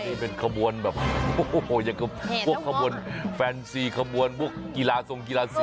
นี่เป็นขบวนแบบโอ้โหอย่างกับพวกขบวนแฟนซีขบวนพวกกีฬาทรงกีฬาสี